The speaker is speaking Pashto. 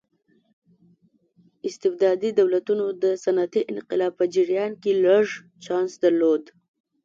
استبدادي دولتونو د صنعتي انقلاب په جریان کې لږ چانس درلود.